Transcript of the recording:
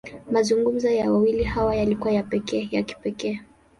Mazungumzo ya wawili hawa, yalikuwa ya kipekee.